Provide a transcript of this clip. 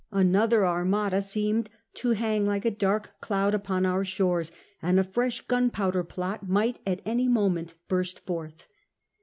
Another Armada seemed to hang like a dark cloud upon our shores, and a fresh Gunpowder Plot might at any moment burst forth.